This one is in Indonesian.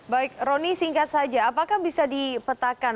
baik roni singkat saja apakah bisa dipetakan